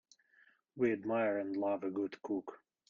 We admire and love a good cook.